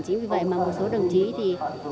chính vì vậy mà một số đồng chí thì